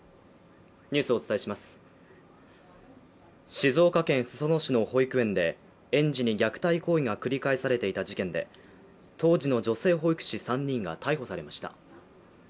静岡県裾野市の保育園で園児に虐待行為が繰り返されていた事件で当時の女性保育士３人が逮捕されました。